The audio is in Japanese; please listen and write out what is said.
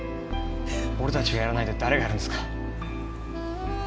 俺たちがやらないで誰がやるんですか？